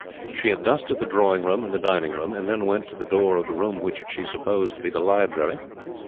She had dusted the drawing room and dining room, and then went to the door of the room which she supposed to be the library.